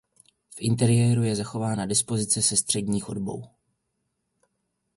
V interiéru je zachována dispozice se střední chodbou.